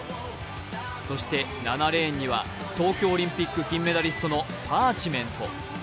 そして７レーンには、東京オリンピック金メダリストのパーチメント。